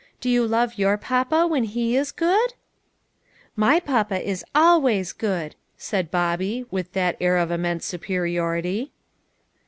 Do you love your papa when he is good ?"" My papa is always good," said Bobby, with that air of immense superiority.